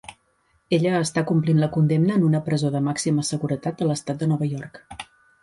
Ella està complint la condemna en una presó de màxima seguretat de l'estat de Nova York.